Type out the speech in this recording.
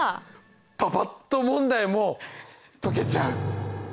パパっと問題も解けちゃう！